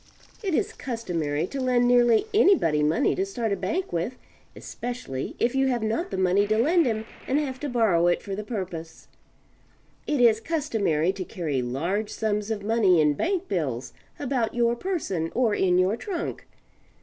It is customary to lend nearly anybody money to start a bank with especially if you have not the money to lend him and have to borrow it for the purpose. It is customary to carry large sums of money in bank bills about your person or in your trunk.